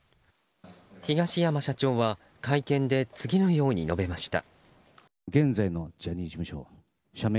東山社長は会見で次のように述べました。